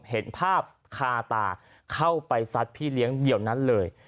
เห็นภาพคาตาเข้าไปซัดพี่เลี้ยงเดี่ยวนั้นเลย